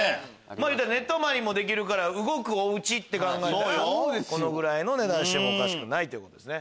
寝泊まりもできるから動くおうちって考えたらこのぐらいの値段してもおかしくないということですね。